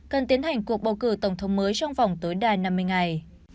cần tiến hành cuộc bầu cử tổng thống mới trong vòng tới đài năm mươi ngày